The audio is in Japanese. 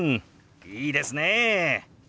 いいですね！